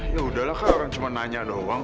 yaudah lah orang cuma nanya doang